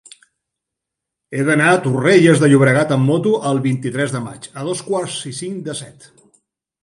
He d'anar a Torrelles de Llobregat amb moto el vint-i-tres de maig a dos quarts i cinc de set.